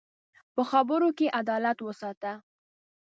په خبرو کې عدالت وساته